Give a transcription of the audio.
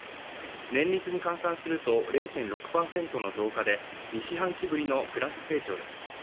年率に換算すると０．６％の増加で２四半期ぶりのプラス成長です。